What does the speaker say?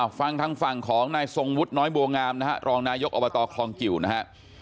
ฟังทางฝั่งของนายทรงวุฒิน้อยบัวงามนะฮะรองนายกอบตคลองกิวนะฮะ